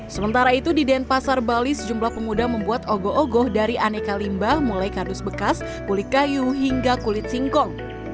sementara itu di denpasar bali sejumlah pemuda membuat ogo ogoh dari aneka limbah mulai kardus bekas kulit kayu hingga kulit singkong